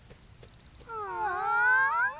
うん？